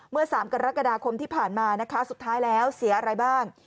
เมื่อ๓กรกฎาคมที่ผ่านมานะคะสุดท้ายแล้วเสียอะไรบ้าง